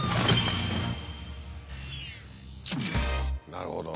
なるほど。